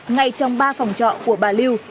ngay trong ba phòng trọ của bà lưu